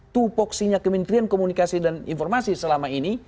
tupok sinyak kementerian komunikasi dan informasi selama ini